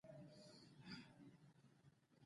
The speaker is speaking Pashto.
• بخښل خپل روح ته راحت ورکوي.